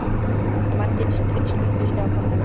আমাদের শ্রীকৃষ্ণের বিষয় আপনারা জানেন।